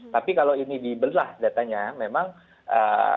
tapi kalau ini di belah datanya memang angka angka yang konsisten